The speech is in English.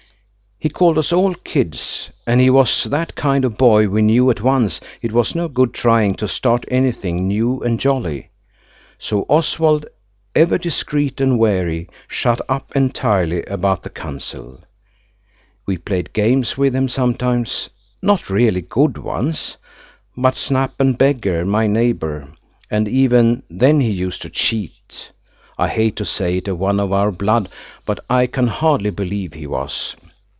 He called us all kids–and he was that kind of boy we knew at once it was no good trying to start anything new and jolly–so Oswald, ever discreet and wary, shut up entirely about the council. We played games with him sometimes, not really good ones, but Snap and Beggar my Neighbour, and even then he used to cheat. I hate to say it of one of our blood, but I can hardly believe he was.